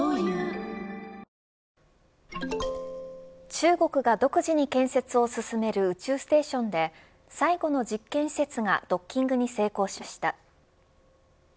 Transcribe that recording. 中国が独自に建設を進める宇宙ステーションで最後の実験施設がドッキングに成功しました。